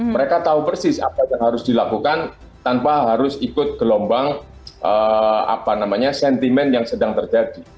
mereka tahu persis apa yang harus dilakukan tanpa harus ikut gelombang sentimen yang sedang terjadi